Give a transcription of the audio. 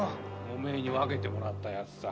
お前に分けてもらったヤツさ。